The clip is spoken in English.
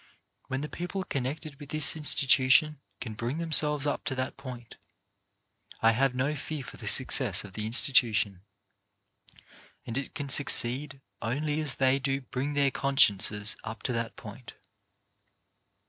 When the people connected with this institution can bring themselves up to that point, I have no fear for the success of the institution ; and it can suc ceed only as they do bring their consciences up to that point.